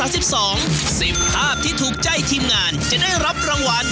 สิบสองสิบภาพที่ถูกใจทีมงานจะได้รับรางวัล